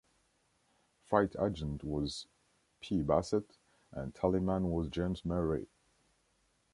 Freight agent was P. Bassett and tallyman was James Murray.